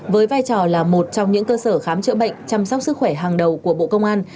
với vai trò là một trong những cơ sở khám chữa bệnh chăm sóc sức khỏe hàng đầu của bộ công an